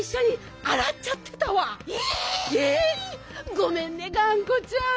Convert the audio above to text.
ごめんねがんこちゃん。